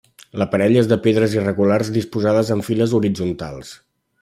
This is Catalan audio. L'aparell és de pedres irregulars disposades en filades horitzontals.